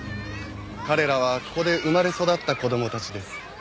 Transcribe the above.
彼らはここで生まれ育った子供たちです。